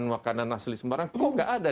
makanan asli semarang kok nggak ada